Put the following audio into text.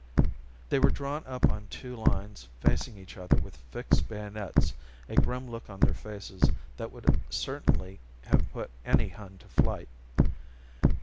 They were drawn up on two lines facing each other with fixed bayonets, a grim look on their faces that would certainly have put any Hun to flight.